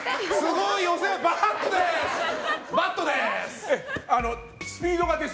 バッドです！